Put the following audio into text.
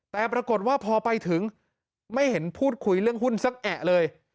แต่ปรากฏว่าพอไปถึงไม่เห็นพูดคุยเรื่องหุ้นสักแอะเลย